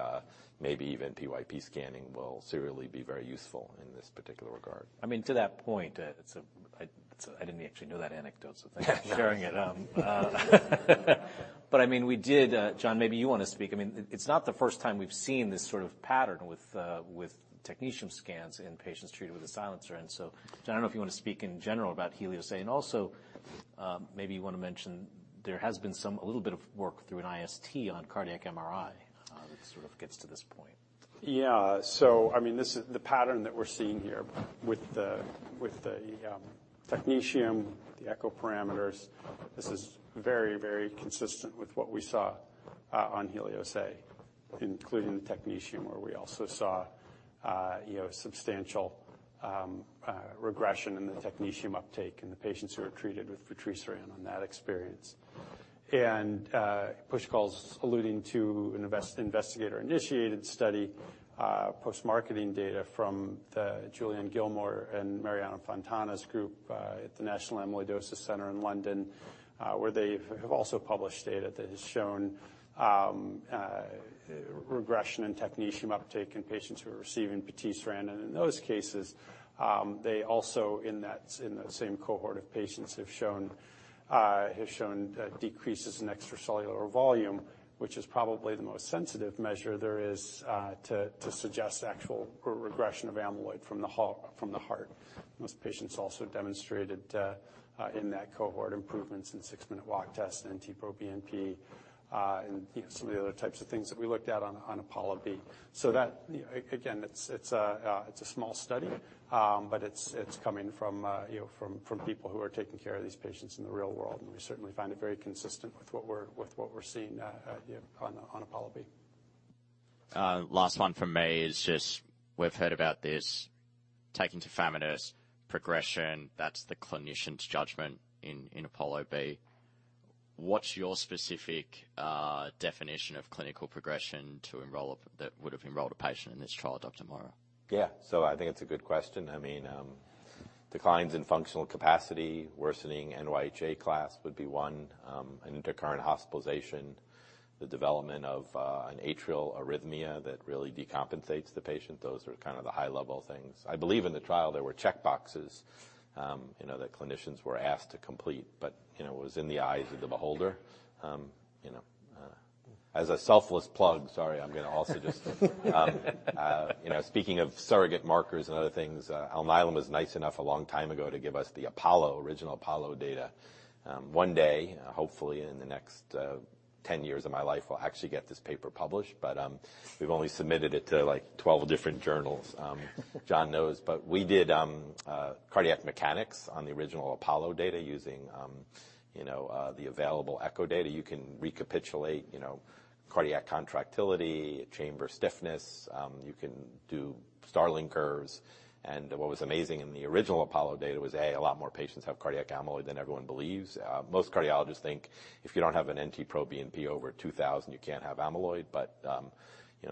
maybe even PYP scanning will seriously be very useful in this particular regard. I mean, to that point, I didn't actually know that anecdote, so thanks for sharing it. But I mean, we did, John, maybe you want to speak. I mean, it's not the first time we've seen this sort of pattern with technetium scans in patients treated with a silencer. And so John, I don't know if you want to speak in general about HELIOS-A. And also, maybe you want to mention there has been a little bit of work through an IST on cardiac MRI that sort of gets to this point. Yeah. So I mean, the pattern that we're seeing here with the technetium, the echo parameters, this is very, very consistent with what we saw on HELIOS-A, including the technetium where we also saw substantial regression in the technetium uptake in the patients who were treated with vutrisiran on that experience. And Pushkal's alluding to an investigator-initiated study, post-marketing data from the Julian Gillmore and Marianna Fontana's group at the National Amyloidosis Centre in London, where they have also published data that has shown regression in technetium uptake in patients who are receiving patisiran. And in those cases, they also, in the same cohort of patients, have shown decreases in extracellular volume, which is probably the most sensitive measure there is to suggest actual regression of amyloid from the heart. Most patients also demonstrated in that cohort improvements in six-minute walk test and NT-proBNP and some of the other types of things that we looked at on APOLLO-B. So again, it's a small study, but it's coming from people who are taking care of these patients in the real world. And we certainly find it very consistent with what we're seeing on APOLLO-B. Last one from me is just we've heard about this taking tafamidis progression. That's the clinician's judgment in APOLLO-B. What's your specific definition of clinical progression that would have enrolled a patient in this trial, Dr. Maurer? Yeah. So I think it's a good question. I mean, declines in functional capacity, worsening NYHA class would be one, and intercurrent hospitalization, the development of an atrial arrhythmia that really decompensates the patient. Those are kind of the high-level things. I believe in the trial, there were checkboxes that clinicians were asked to complete, but it was in the eyes of the beholder. As a selfless plug, sorry, I'm going to also just speaking of surrogate markers and other things, Alnylam was nice enough a long time ago to give us the original Apollo data. One day, hopefully in the next 10 years of my life, we'll actually get this paper published. But we've only submitted it to like 12 different journals. John knows. But we did cardiac mechanics on the original Apollo data using the available echo data. You can recapitulate cardiac contractility, chamber stiffness. You can do Starling curves. And what was amazing in the original Apollo data was, A, a lot more patients have cardiac amyloid than everyone believes. Most cardiologists think if you don't have an NT-proBNP over 2000, you can't have amyloid. But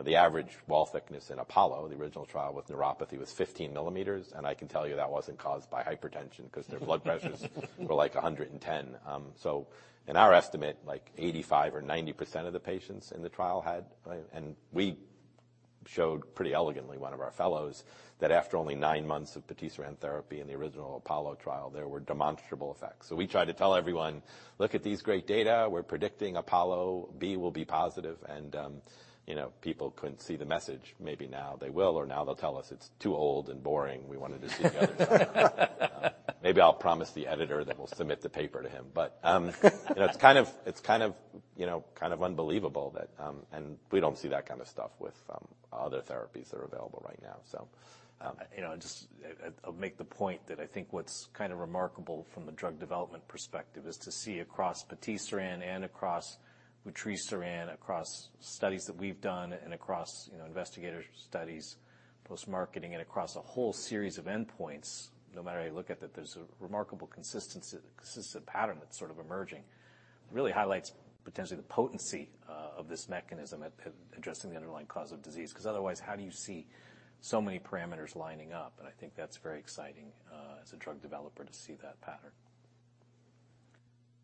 the average wall thickness in Apollo, the original trial with neuropathy, was 15 millimeters. And I can tell you that wasn't caused by hypertension because their blood pressures were like 110. So in our estimate, like 85% or 90% of the patients in the trial had, and we showed pretty elegantly, one of our fellows, that after only nine months of patisiran therapy in the original Apollo trial, there were demonstrable effects. So we tried to tell everyone, "Look at these great data. We're predicting APOLLO-B will be positive." And people couldn't see the message. Maybe now they will, or now they'll tell us it's too old and boring. We wanted to see the other side. Maybe I'll promise the editor that we'll submit the paper to him. But it's kind of unbelievable that we don't see that kind of stuff with other therapies that are available right now, so. I'll make the point that I think what's kind of remarkable from the drug development perspective is to see across patisiran and across vutrisiran, across studies that we've done and across investigator studies, post-marketing, and across a whole series of endpoints, no matter how you look at it, there's a remarkable consistent pattern that's sort of emerging. It really highlights potentially the potency of this mechanism at addressing the underlying cause of disease. Because otherwise, how do you see so many parameters lining up? And I think that's very exciting as a drug developer to see that pattern.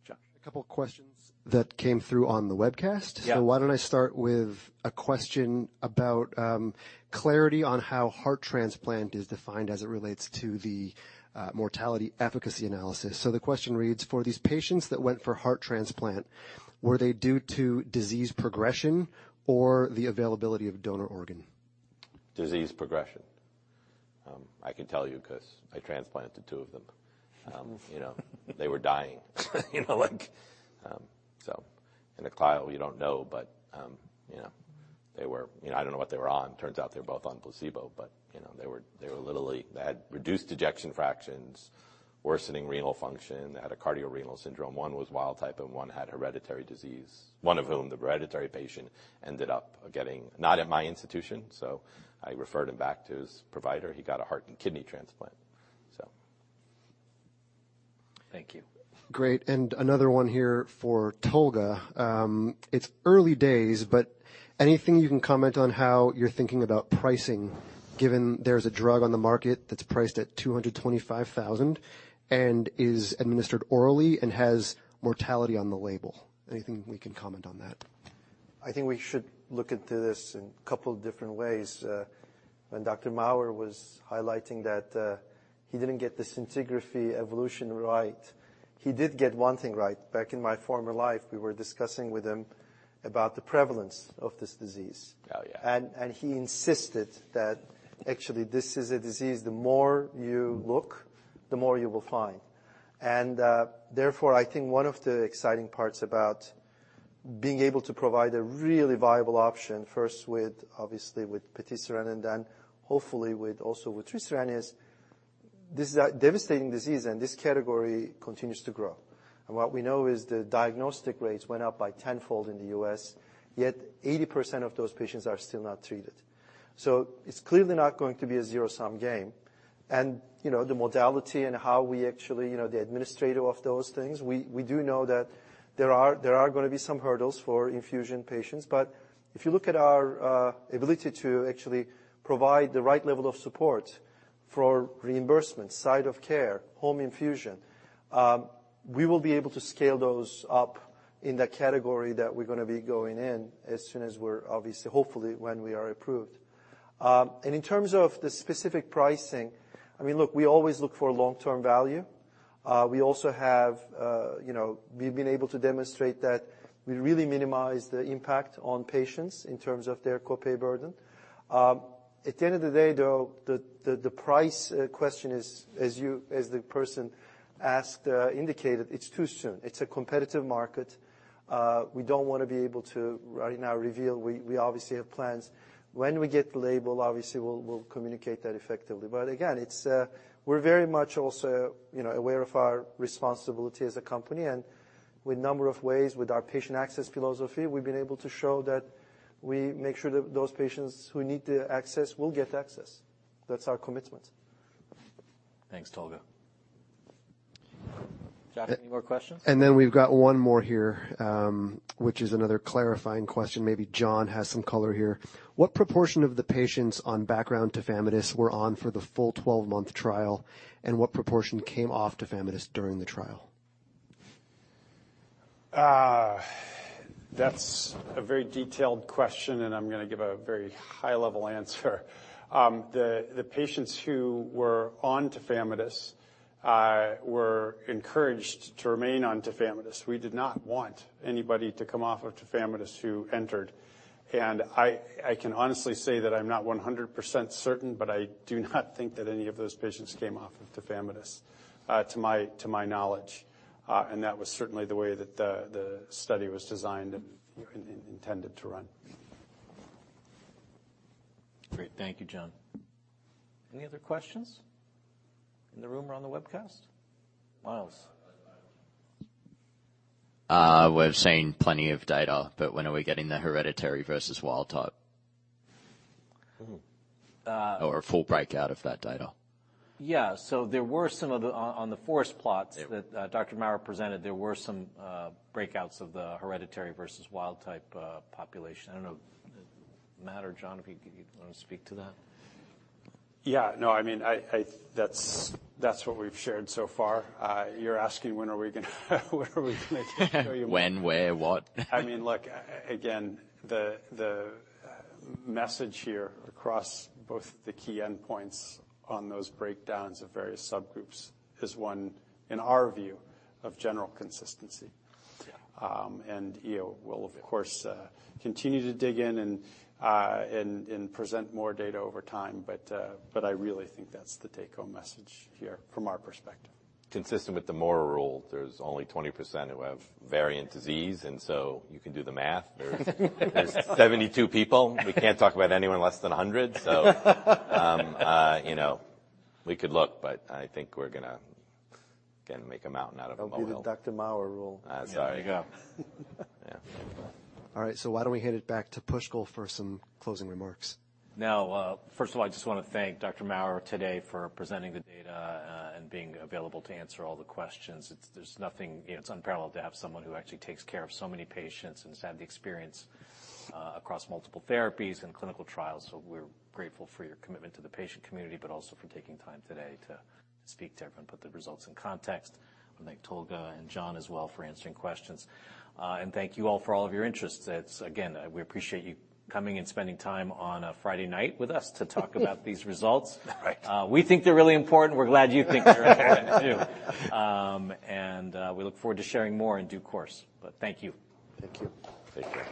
John. A couple of questions that came through on the webcast. So why don't I start with a question about clarity on how heart transplant is defined as it relates to the mortality efficacy analysis. So the question reads, "For these patients that went for heart transplant, were they due to disease progression or the availability of donor organ?" Disease progression. I can tell you because I transplanted two of them. They were dying. So in a trial, we don't know, but they were I don't know what they were on. Turns out they were both on placebo, but they were literally they had reduced ejection fractions, worsening renal function. They had a cardiorenal syndrome. One was wild type, and one had hereditary disease, one of whom the hereditary patient ended up getting not at my institution. So I referred him back to his provider. He got a heart and kidney transplant, so. Thank you. Great. Another one here for Tolga. It's early days, but anything you can comment on how you're thinking about pricing, given there's a drug on the market that's priced at $225,000 and is administered orally and has mortality on the label? Anything we can comment on that? I think we should look into this in a couple of different ways. When Dr. Maurer was highlighting that he didn't get the scintigraphy evolution right, he did get one thing right. Back in my former life, we were discussing with him about the prevalence of this disease. He insisted that actually this is a disease the more you look, the more you will find. And therefore, I think one of the exciting parts about being able to provide a really viable option, first obviously with patisiran and then hopefully with also vutrisiran, is this is a devastating disease, and this category continues to grow. And what we know is the diagnostic rates went up by tenfold in the U.S., yet 80% of those patients are still not treated. So it's clearly not going to be a zero-sum game. And the modality and how we actually administer those things, we do know that there are going to be some hurdles for infusion patients. But if you look at our ability to actually provide the right level of support for reimbursement, site of care, home infusion, we will be able to scale those up in the category that we're going to be going in as soon as we're obviously, hopefully when we are approved. In terms of the specific pricing, I mean, look, we always look for long-term value. We also, we've been able to demonstrate that we really minimize the impact on patients in terms of their copay burden. At the end of the day, though, the price question is, as the person indicated, it's too soon. It's a competitive market. We don't want to be able to right now reveal. We obviously have plans. When we get the label, obviously, we'll communicate that effectively. But again, we're very much also aware of our responsibility as a company. And with a number of ways, with our patient access philosophy, we've been able to show that we make sure that those patients who need the access will get access. That's our commitment. Thanks, Tolga. Jeff, any more questions? And then we've got one more here, which is another clarifying question. Maybe John has some color here. What proportion of the patients on background tafamidis were on for the full 12-month trial, and what proportion came off tafamidis during the trial? That's a very detailed question, and I'm going to give a very high-level answer. The patients who were on tafamidis were encouraged to remain on tafamidis. We did not want anybody to come off of tafamidis who entered. And I can honestly say that I'm not 100% certain, but I do not think that any of those patients came off of tafamidis to my knowledge. And that was certainly the way that the study was designed and intended to run. Great. Thank you, John. Any other questions in the room or on the webcast? Myles. We've seen plenty of data, but when are we getting the hereditary versus wild-type or full breakout of that data? Yeah. So there were some of them on the forest plots that Dr. Maurer presented, there were some breakouts of the hereditary versus wild-type population. I don't know if it matters, John, if you want to speak to that. Yeah. No, I mean, that's what we've shared so far. You're asking when are we going to show you? When, where, what? I mean, look, again, the message here across both the key endpoints on those breakdowns of various subgroups is one, in our view, of general consistency. And we'll, of course, continue to dig in and present more data over time. But I really think that's the take-home message here from our perspective. Consistent with the Maurer rule, there's only 20% who have variant disease. And so you can do the math. There's 72 people. We can't talk about anyone less than 100. So we could look, but I think we're going to, again, make a mountain out of them alone. Don't do the Dr. Maurer rule. Sorry. There you go. Yeah. All right. So why don't we hand it back to Pushkal for some closing remarks? No. First of all, I just want to thank Dr. Maurer today for presenting the data and being available to answer all the questions. It's unparalleled to have someone who actually takes care of so many patients and has had the experience across multiple therapies and clinical trials. So we're grateful for your commitment to the patient community, but also for taking time today to speak to everyone and put the results in context. And thank Tolga and John as well for answering questions. And thank you all for all of your interest. Again, we appreciate you coming and spending time on a Friday night with us to talk about these results. We think they're really important. We're glad you think they're important too, and we look forward to sharing more in due course, but thank you. Thank you. Thank you.